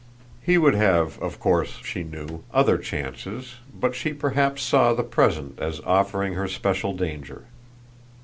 He would have of course, she knew, other chances, but she perhaps saw the present as offering her special danger.